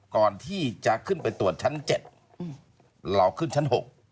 ก่อนที่จะขึ้นไปตรวจชั้น๗เราขึ้นชั้น๖